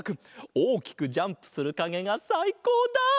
おおきくジャンプするかげがさいこうだ！